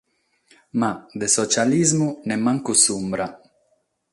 Ma de sotzialismu nemmancu s'umbra.